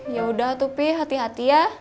yaudah tupi hati hati ya